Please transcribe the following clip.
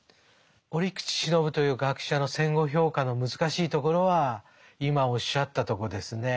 折口信夫という学者の戦後評価の難しいところは今おっしゃったとこですね。